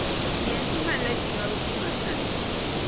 Bɛ yɛn ti malila jilma’bɛ Duuma sani.